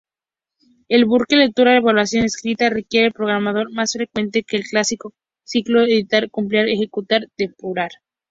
El bucle lectura-evaluación-escritura requiere al programador más frecuentemente que el clásico ciclo editar-compilar-ejecutar-depurar.